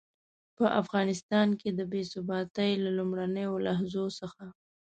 په افغانستان کې د بې ثباتۍ له لومړنيو لحظو څخه.